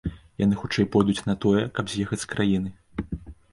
Яны хутчэй пойдуць на тое, каб з'ехаць з краіны.